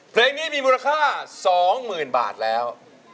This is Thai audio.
เพลงนี้มีมูลค่า๒๐๐๐บาทแล้ว